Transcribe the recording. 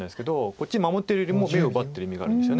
こっち守ってるよりも眼を奪ってる意味があるんですよね。